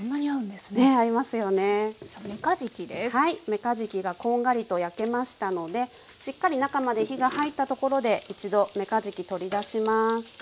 めかじきがこんがりと焼けましたのでしっかり中まで火が入ったところで一度めかじき取り出します。